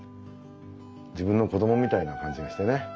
自分の子供みたいな感じがしてね。